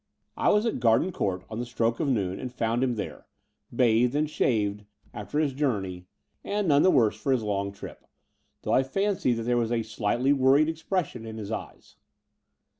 I was at Garden Court on the stroke of noon and found him there, bathed and shaved after his Between London and Clymplng 179 journey, and none the worse for his long trip, though I fancied that there was a slightly worried expression in his eyes.